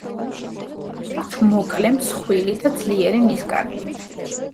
აქვთ მოკლე, მსხვილი და ძლიერი ნისკარტი.